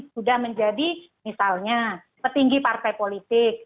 sudah menjadi misalnya petinggi partai politik